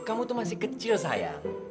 kamu tuh masih kecil saya